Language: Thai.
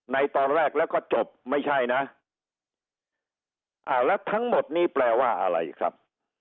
ในตอนแรกแล้วก็จบไม่ใช่นะอ่าแล้วทั้งหมดนี้แปลว่าอะไรครับ